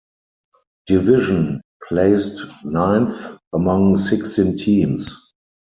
Division, placed ninth among sixteen teams.